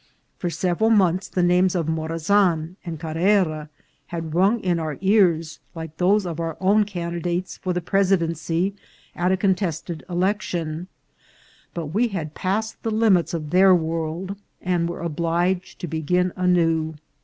For sev eral months the names of Morazan and Carrera had rung in our ears like those of our own candidates for the presidency at a contested election ; but we had passed the limits of their world, and were obliged to begin anew.